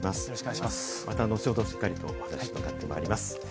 また後ほど、しっかりとお話を伺ってまいります。